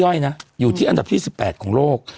ย่อยนะอยู่ที่อันดับที่๑๘ของโลก